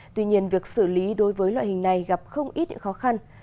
tuy nhiên việc xử lý đối với loại hình này gặp không ít những khó khăn